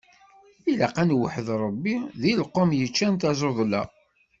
Ilaq ad nweḥḥed Ṛebbi, deg lqum yeččan tuẓeḍla.